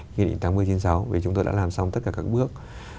nghị định tám mươi chín mươi sáu vì chúng tôi đã làm xong tất cả các bước